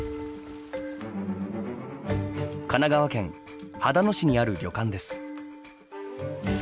神奈川県秦野市にある旅館です。